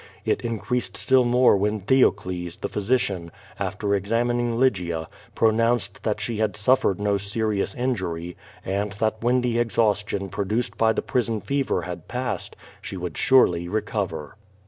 It increased still more when Theocles, the physi cian, after examining Lygia, pronounced that she had sufferetl no serious injury, and that when the exhaustion produced by the prison fever had passed, she would surely recover.